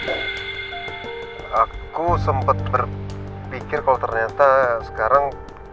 aku sempat berpikir kalau ternyata sekarang